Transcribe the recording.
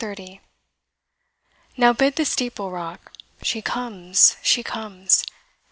Now bid the steeple rock she comes, she comes!